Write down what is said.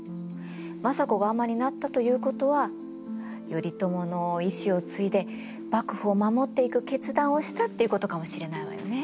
政子が尼になったということは頼朝の遺志を継いで幕府を守っていく決断をしたっていうことかもしれないわよね。